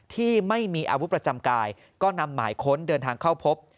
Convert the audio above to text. ที่ไม่มีอาวุธประจำกายก็นำหมายค้นเดินทางเข้าพบ